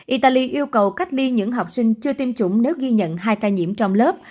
italy yêu cầu cách ly những học sinh chưa tiêm chủng nếu ghi nhận hai ca nhiễm trong lớp